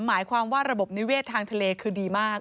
หมายความว่าระบบนิเวศทางทะเลคือดีมาก